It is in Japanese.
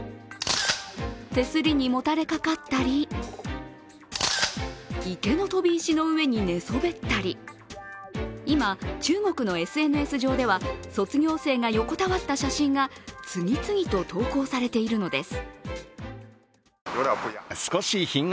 手すりにもたれかかったり池の飛び石の上に寝そべったり今、中国のＳＮＳ上では卒業生が横たわった写真が次々と投稿されているのです。